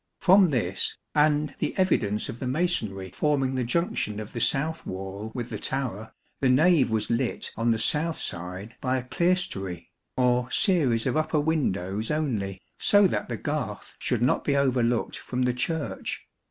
From this, and the evidence of the masonry forming the junction of the south wall with the tower, the nave was lit on the south side by a clerestory, or series of upper windows only, so that the garth should not be overlooked from the Church.